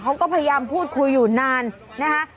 เขาก็พยายามพูดคุยอยู่นานนะคะ